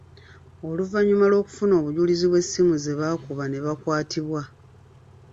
Oluvannyuma lw’okufuna obujulizi bw’essimu ze baakuba ne bakwatibwa.